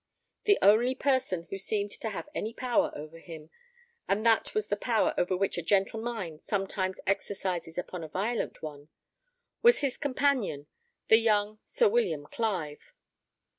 The only person who seemed to have any power over him, and that was the power which a gentle mind sometimes exercises upon a violent one, was his companion, the young Sir William Clive.